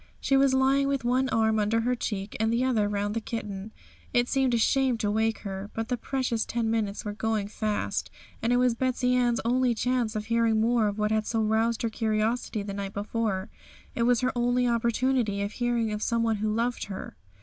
She was lying with one arm under her cheek, and the other round the kitten. It seemed a shame to wake her; but the precious ten minutes were going fast, and it was Betsey Ann's only chance of hearing more of what had so roused her curiosity the night before; it was her only opportunity of hearing of some one who loved her.